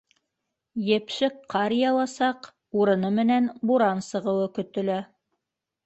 Епшек ҡар яуасаҡ, урыны менән буран сығыуы көтөлә.